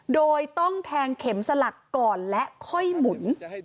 โดยต้องแทงเข็มสลักก่อนและค่อยหมุน